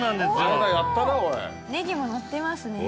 ネギものってますね。